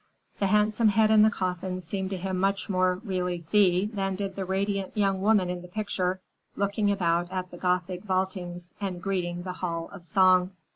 The handsome head in the coffin seemed to him much more really Thea than did the radiant young woman in the picture, looking about at the Gothic vaultings and greeting the Hall of Song.